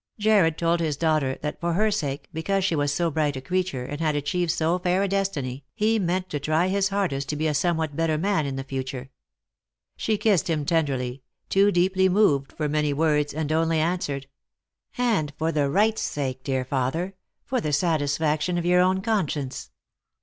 Jarred told his daughter that for her sake, because she was so bright a creature, and had achieved so fair a destiny, he meant to try his hardest to be a somewhat better man in the future. She kissed him tenderly, too deeply moved for many words, and only answered :" And for the right's sake, dear father ; for the satisfaction of your own conscience."